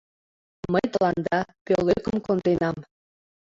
— Мый тыланда пӧлекым конденам.